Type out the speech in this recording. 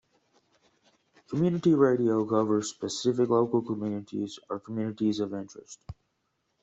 Community Radio covers specific local communities or communities of interest.